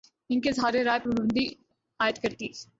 ان کے اظہارِ رائے پر پابندی عائدکرتی